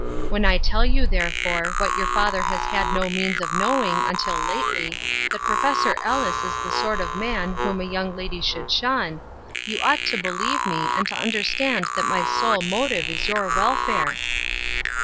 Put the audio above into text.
When I tell you, therefore, what your father has had no means of knowing, until lately, that Prof. Ellis is the sort of man whom a young lady should shun, you ought to believe me, and to under stand that my sole motive is your welfare."